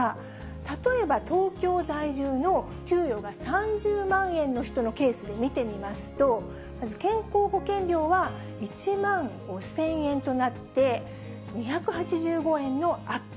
例えば、東京在住の給与が３０万円の人のケースで見てみますと、まず健康保険料は１万５０００円となって、２８５円のアップ。